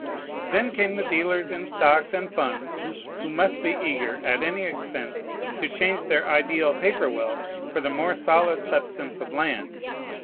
Then came the dealers in stocks and funds, who must be eager, at any expense, to change their ideal paper wealth for the more solid substance of land.